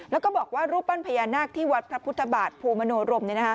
แล้วก็บอกว่ารูปปั้นพญานาคที่วัดพระพุทธบาทภูมิมโนรม